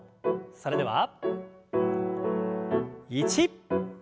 それでは１。